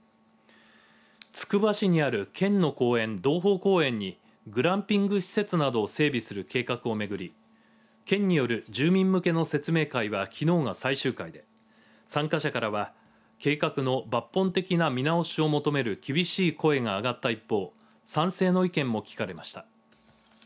つくば市にある県の公園、洞峰公園にグランピング施設などを整備する計画を巡り県による住民向けの説明会はきのうが最終回で参加者からは計画の抜本的な見直しを求める厳しい声が上がった一方、賛成の意見も聞かれました。